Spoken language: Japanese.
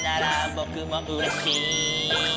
「ぼくもうれしい」